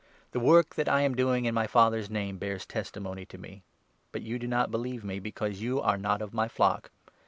The work that I am doing in my Father's name bears testimony to me. But you do not believe me, because you are not of my flock.